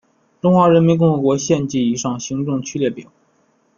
中华人民共和国县级以上行政区列表